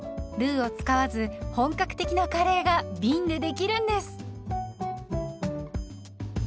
ルウを使わず本格的なカレーがびんでできるんです！